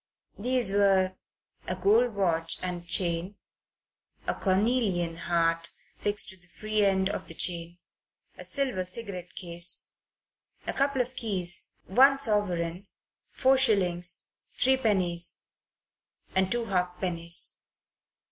These were a gold watch and chain, a cornelian heart fixed to the free end of the chain, a silver cigarette case, a couple of keys, one sovereign, four shillings, three pennies and two half pennies.